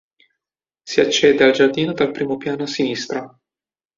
Si accede al giardino dal primo piano a sinistra.